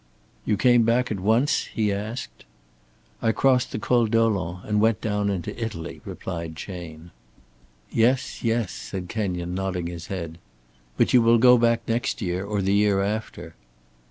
"You came back at once?" he asked. "I crossed the Col Dolent and went down into Italy," replied Chayne. "Yes, yes," said Kenyon, nodding his head. "But you will go back next year, or the year after."